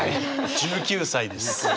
１９歳です。